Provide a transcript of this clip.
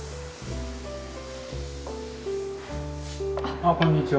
あっこんにちは。